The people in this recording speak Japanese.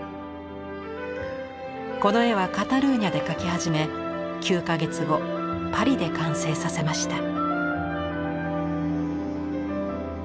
この絵はカタルーニャで描き始め９か月後パリで完成させました。